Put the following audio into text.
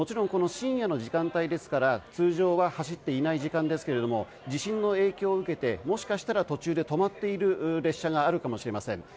深夜の時間帯ですから通常は走っていない時間帯ですが地震の影響を受けてもしかしたら途中で止まっている列車があるかもしれません。